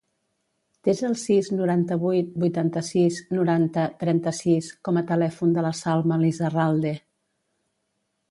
Desa el sis, noranta-vuit, vuitanta-sis, noranta, trenta-sis com a telèfon de la Salma Lizarralde.